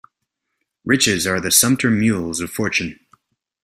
Riches are the sumpter mules of fortune.